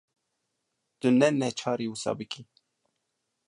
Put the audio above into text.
Tu ne neçarî wisa bikî.